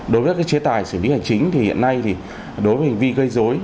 đối với cái chế tải xử lý hành chính thì hiện nay thì đối với hành vi gây dối